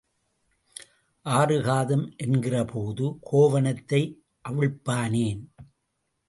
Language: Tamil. ஆறு காதம் என்கிறபோது கோவணத்தை அவிழ்ப்பானேன்?